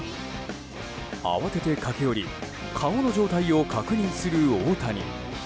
慌てて駆け寄り顔の状態を確認する大谷。